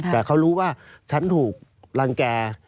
แต่เขารู้ว่าฉันถูกรังแก่